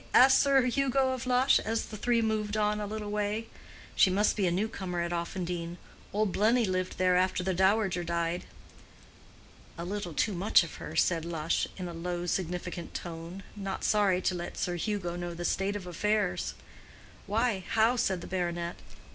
asked Sir Hugo of Lush, as the three moved on a little way. "She must be a new comer at Offendene. Old Blenny lived there after the dowager died." "A little too much of her," said Lush, in a low, significant tone; not sorry to let Sir Hugo know the state of affairs. "Why? how?" said the baronet.